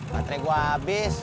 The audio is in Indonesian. baterai gue abis